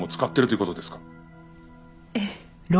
ええ。